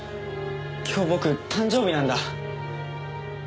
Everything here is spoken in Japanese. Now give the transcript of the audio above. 今日僕誕生日なんだ。